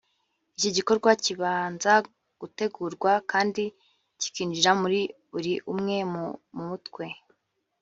iki gikorwa kibanza gutegurwa kandi kikinjira muri buri umwe mu mutwe